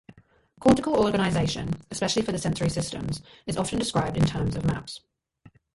Cortical organization, especially for the sensory systems, is often described in terms of maps.